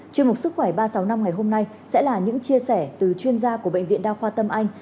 chương mục sức khỏe ba sáu năm ngày hôm nay sẽ là những chia sẻ từ chuyên gia của bệnh viện đa khoa tâm anh